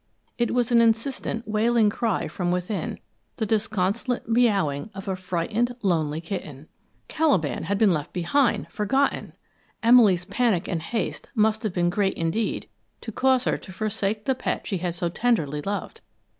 It was an insistent, wailing cry from within, the disconsolate meowing of a frightened, lonely kitten. Caliban had been left behind, forgotten! Emily's panic and haste must have been great indeed to cause her to forsake the pet she had so tenderly loved!